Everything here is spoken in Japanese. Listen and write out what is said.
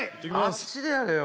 あっちでやれよ